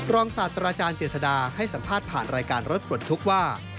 ศาสตราจารย์เจษดาให้สัมภาษณ์ผ่านรายการรถปลดทุกข์ว่า